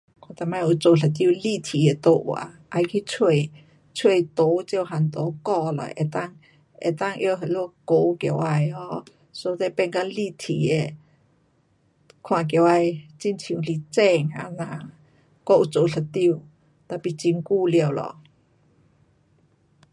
我上次有做一张立体的图画，要去找，找图，各样图剪了能够能够拿那里粘起来 [um]so that 能够变立体的。看起来好像是真的这样。我有做一张，tapi 很久了咯。